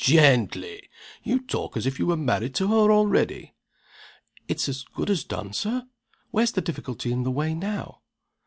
gently! you talk as if you were married to her already!" "It's as good as done, Sir! Where's the difficulty in the way now?"